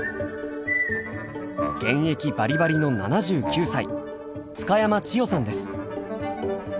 現役バリバリの７９歳津嘉山千代さんです。